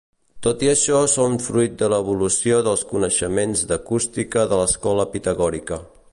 Tot i això són fruit de l'evolució dels coneixements d'acústica de l'escola pitagòrica.